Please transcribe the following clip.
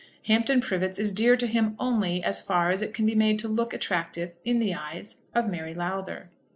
Hampton Privets is dear to him only as far as it can be made to look attractive in the eyes of Mary Lowther.